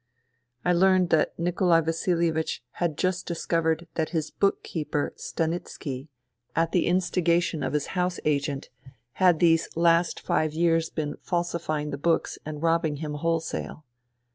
I learnt that Nikolai Vasilievich had just discovered that his book keeper Stanitski, at the instigation of his house agent, had these last five years been falsifying the books and robbing him wholesale.